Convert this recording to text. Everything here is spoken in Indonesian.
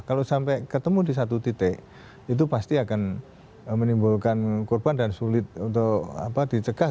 kalau sampai ketemu di satu titik itu pasti akan menimbulkan korban dan sulit untuk dicegah